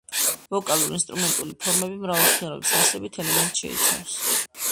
ვოკალურ-ინსტრუმენტული ფორმები მრავალხმიანობის არსებით ელემენტს შეიცავს.